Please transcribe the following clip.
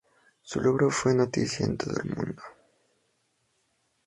Su logro fue noticia en todo el mundo.